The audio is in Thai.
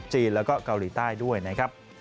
แล้วก็เกาหลีใต้ด้วยนะครับ